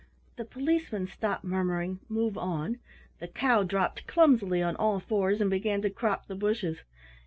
The Policeman stopped murmuring "Move on!" The Cow dropped clumsily on all fours and began to crop the bushes.